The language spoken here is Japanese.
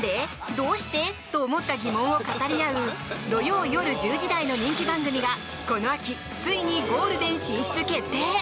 どうして？と思った疑問を語り合う土曜夜１０時台の人気番組がこの秋ついにゴールデン進出決定！